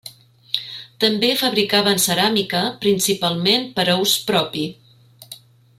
També fabricaven ceràmica principalment per a ús propi.